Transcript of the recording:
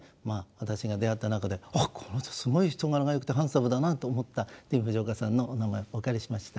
私が出会った中であっこの人すごい人柄がよくてハンサムだなと思ったディーン・フジオカさんのお名前をお借りしました。